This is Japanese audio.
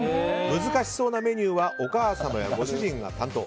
難しそうなメニューはお母様やご主人が担当。